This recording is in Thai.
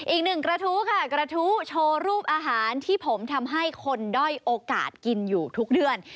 อีกหนึ่งกระทู้ค่ะกระทู้โชว์รูปอาหารที่ผมทำให้คนด้อยโอกาสกินอยู่ทุกเดือน